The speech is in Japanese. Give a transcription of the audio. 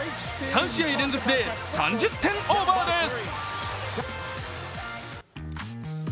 ３試合連続で、３０点オーバーです。